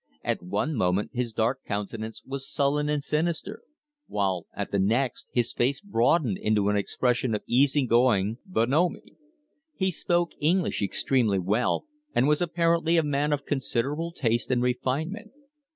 At one moment his dark countenance was sullen and sinister, while at the next his face broadened into an expression of easy going bonhomie. He spoke English extremely well, and was apparently a man of considerable taste and refinement.